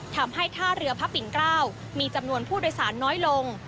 ทำให้ท่าเรือพระปิ่นเกล้ามีจำนวนผู้โดยสารน้อยลง